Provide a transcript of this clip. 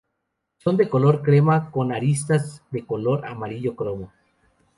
Son de color crema con aristas de color amarillo cromo.